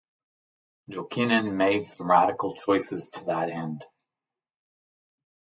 Jokinen made some radical choices to that end.